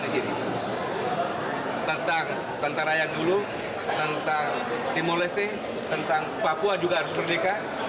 di sini tentang tentara yang dulu tentang timor leste tentang papua juga harus merdeka